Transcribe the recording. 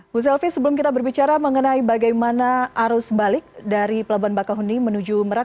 bu selvi sebelum kita berbicara mengenai bagaimana arus balik dari pelabuhan bakahuni menuju merak